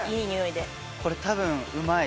これ多分うまい。